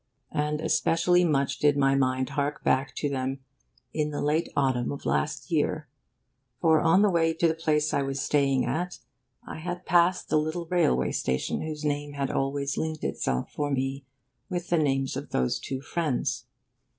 And especially much did my mind hark back to them in the late autumn of last year; for on the way to the place I was staying at I had passed the little railway station whose name had always linked itself for me with the names of those two friends.